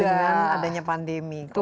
apalagi dengan adanya pandemi